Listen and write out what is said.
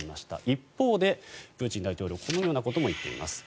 一方でプーチン大統領はこのようなことも言っています。